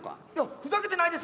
ふざけてないです。